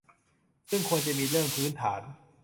ซึ่งควรจะมีเรื่องพื้นฐาน